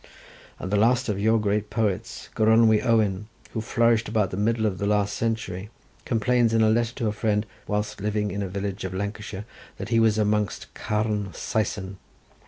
And the last of your great poets, Gronwy Owen, who flourished about the middle of the last century, complains in a letter to a friend, whilst living in a village of Lancashire, that he was amongst Carn Saeson.